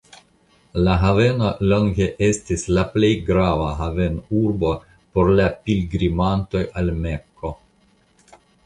La haveno longe estis la plej grava havenurbo por la pilgrimantoj al Mekko.